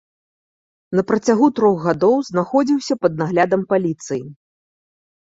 На працягу трох гадоў, знаходзіўся пад наглядам паліцыі.